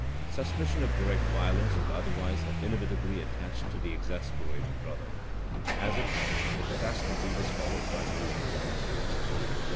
Suspicion of direct violence would otherwise have inevitably attached to the exasperated brother. As it was, the catastrophe was followed by no legal consequences.